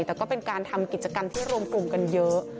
แต่ก็เป็นการทำกิจกรรมที่รวมกลุ่มกันเยอะ